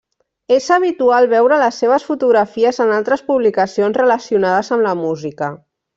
És habitual veure les seves fotografies en altres publicacions relacionades amb la música.